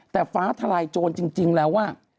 แต่ฟ้าทลายโจรจริงแล้ว